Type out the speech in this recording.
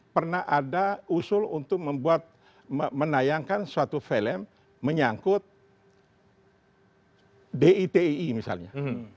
pernah ada usul untuk membuat menayangkan suatu film menyangkut ditii misalnya